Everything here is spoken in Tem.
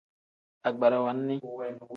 Agbarawa nni.